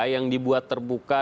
yang dibuat terbuka